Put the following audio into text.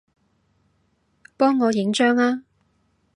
幫我影張吖